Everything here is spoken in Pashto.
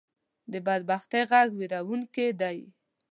د بدبختۍ غږ وېرونکې دی